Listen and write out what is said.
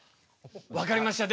わかりました。